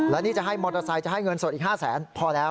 แล้วนี่จะให้มอเตอร์ไซค์จะให้เงินสดอีก๕แสนพอแล้ว